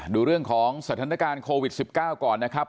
ดูเรื่องของสถานการณ์โควิด๑๙ก่อนนะครับ